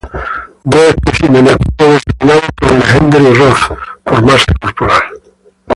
Dos especímenes fueron examinados por Legendre y Roth por masa corporal.